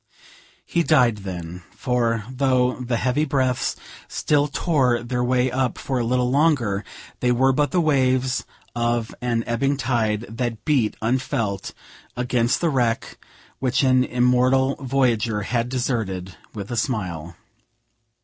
He died then; for, though the heavy breaths still tore their way up for a little longer, they were but the waves of an ebbing tide that beat unfelt against the wreck, which an immortal voyager had deserted with a smile.